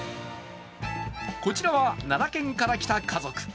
こちらは奈良県から来た家族。